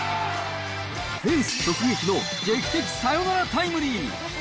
フェンス直撃の劇的サヨナラタイムリー。